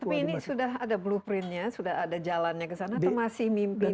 tapi ini sudah ada blueprintnya sudah ada jalannya ke sana atau masih mimpin